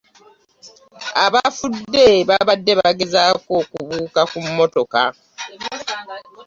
Abaafudde baabadde bagezaako kubuuka ku mmotoka.